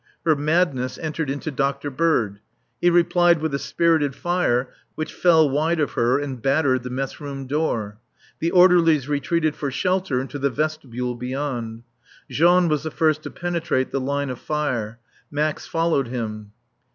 Her madness entered into Dr. Bird. He replied with a spirited fire which fell wide of her and battered the mess room door. The orderlies retreated for shelter into the vestibule beyond. Jean was the first to penetrate the line of fire. Max followed him.